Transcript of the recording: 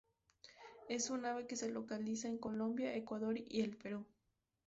Es un ave que se localiza en Colombia, Ecuador y el Perú.